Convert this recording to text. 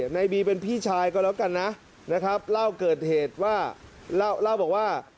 ในบีเป็นพี่ชายก็แล้วกันนะนะครับเล่าเกิดเหตุว่าเล่าบอกว่า